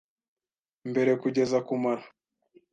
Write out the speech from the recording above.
mbere kugeza kumara.